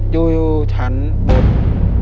อยู่ชั้นบุตร